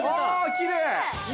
◆きれい。